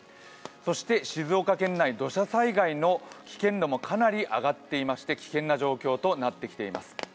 そして静岡県内、土砂災害の危険度もかなり上がってきていまして危険な状況となってきています。